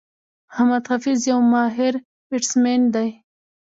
محمد حفيظ یو ماهر بيټسمېن دئ.